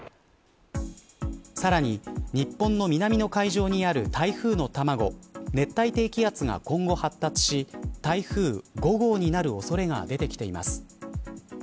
さらに、日本の南の海上にある台風の卵、熱帯低気圧が今後発達し台風５号になる恐れが出てきています。